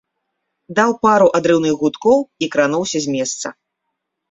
Даў пару адрыўных гудкоў і крануўся з месца.